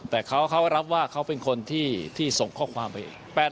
แต่เขารับว่าเขาเป็นคนที่ส่งข้อความไป